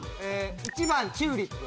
１番チューリップ。